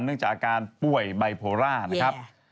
เนื่องจากอาการป่วยไบโพร่านะครับ